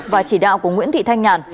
và chỉ đạo của nguyễn thị thanh nhàn